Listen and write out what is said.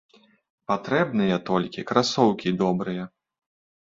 Патрэбныя толькі красоўкі добрыя.